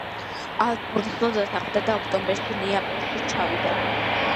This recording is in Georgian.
ალფონსო დათანხმდა და ოქტომბერში ნეაპოლში ჩავიდა.